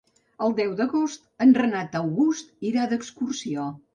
El deu d'agost en Renat August irà d'excursió.